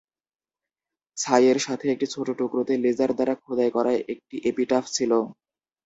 ছাইয়ের সাথে একটি ছোট টুকরোতে লেজার দ্বারা খোদাই করা একটি এপিটাফ ছিল।